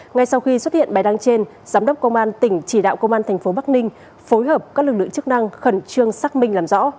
ngay sau khi xuất hiện bài đăng trên giám đốc công an tp bắc ninh phối hợp các lực lượng chức năng khẩn trương xác minh làm rõ